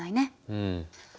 うん。